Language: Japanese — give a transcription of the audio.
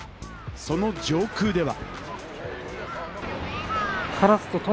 その上空では。